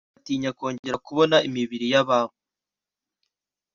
batinya kongera kubona imibiri y’ababo